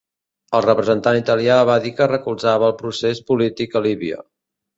El representant italià va dir que recolzava el procés polític a Líbia.